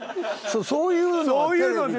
そういうのはテレビで。